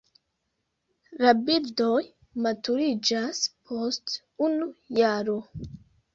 La birdoj maturiĝas post unu jaro.